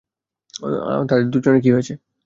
তাদের দুজনের কী হয়েছে?